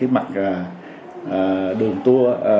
mặt đường tour